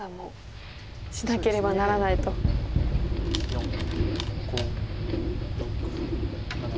４５６７。